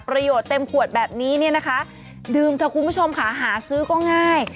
เต็มขวดแบบนี้เนี่ยนะคะดื่มเถอะคุณผู้ชมค่ะหาซื้อก็ง่าย